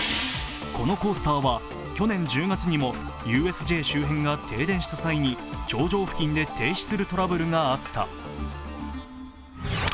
このコースターは去年１０月にもＵＳＪ周辺が停電した際に頂上付近で停止するトラブルがあった。